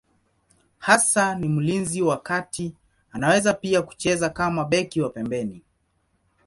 Hasa ni mlinzi wa kati, anaweza pia kucheza kama beki wa pembeni.